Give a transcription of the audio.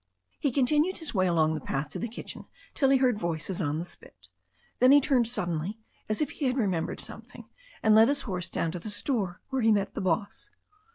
He continued his way along the path to the kitchen till he heard voices on the spit. Then he turned suddenly, as if he had remembered something, and led his horse down to the store where he met the boss.